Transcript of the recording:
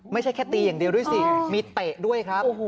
ไม่ใช่แค่ตีอย่างเดียวด้วยสิมีเตะด้วยครับ